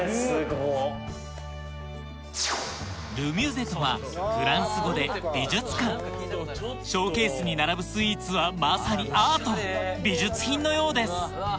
「ル・ミュゼ」とはフランス語で「美術館」ショーケースに並ぶスイーツはまさにアート美術品のようです